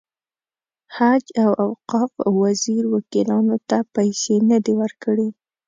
حج او اوقاف وزیر وکیلانو ته پیسې نه دي ورکړې.